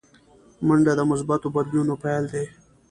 منډه د مثبتو بدلونونو پیل دی